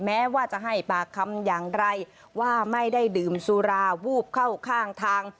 แม้ว่าจะให้ปากคำอย่างไรว่าไม่ได้ดื่มสุราวูบเข้าข้างทาง